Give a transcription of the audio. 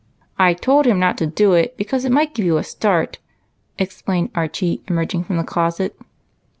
" I told him not to do it, because it might give you a start," explained Archie, emerging from the closet.